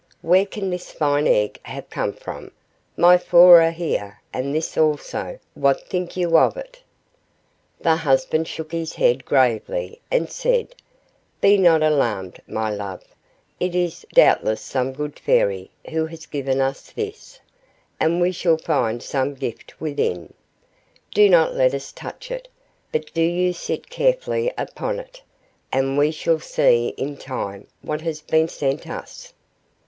Where can this fine egg have come from? My four are here, and this also; what think you of it?" The husband shook his head gravely, and said, "Be not alarmed, my love; it is doubtless some good Fairy who has given us this, and we shall find some gift within; do not let us touch it, but do you sit carefully upon it, and we shall see in time what has been sent us."